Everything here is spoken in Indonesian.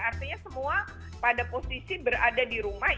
artinya semua pada posisi berada di rumah